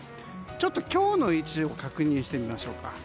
ちょっと今日の位置を確認してみましょうか。